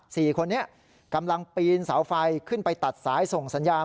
สี่คนนี้กำลังปีนเสาไฟขึ้นไปตัดสายส่งสัญญาณ